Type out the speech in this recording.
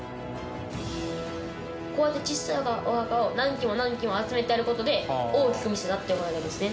こうやって小さいお墓を何基も何基も集めてある事で大きく見せたっていうわけですね。